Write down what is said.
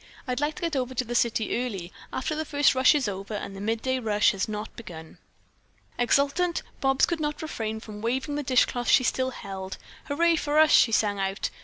I'd like to get over to the city early, after the first rush is over and the midday rush has not begun." Exultant Bobs could not refrain from waving the dishcloth she still held. "Hurray for us!" she sang out.